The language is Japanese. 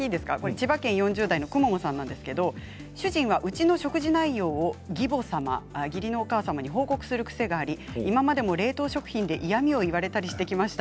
千葉県４０代の方からなんですけれどもうちの主人はうちの食事内容を義母様に、報告する癖があり今までも冷凍食品で嫌みを言われたりしてきました。